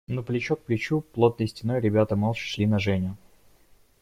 Но плечо к плечу, плотной стеной ребята молча шли на Женю.